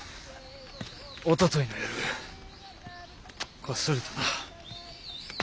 おとといの夜こっそりとな。